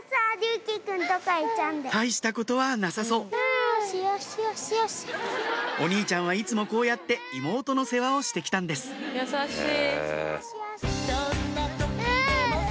大したことはなさそうお兄ちゃんはいつもこうやって妹の世話をして来たんです優しい。